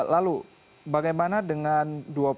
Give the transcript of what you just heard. lalu bagaimana dengan dua puluh enam